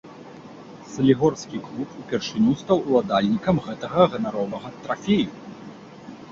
Салігорскі клуб упершыню стаў уладальнікам гэтага ганаровага трафея.